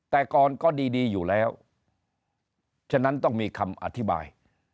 แต่ก่อนก็ดีอยู่แล้วฉะนั้นต้องมีคำอธิบาย